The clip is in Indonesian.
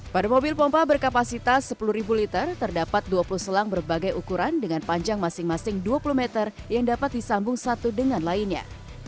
pada mobil pompa berkapasitas sepuluh liter terdapat dua puluh selang berbagai ukuran dengan panjang masing masing dua puluh meter yang dapat disambung satu dengan lainnya